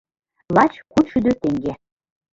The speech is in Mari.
— Лач кудшӱдӧ теҥге.